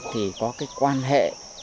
thì có cái quan hệ